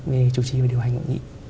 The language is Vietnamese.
về chủ trì và điều hành hội nghị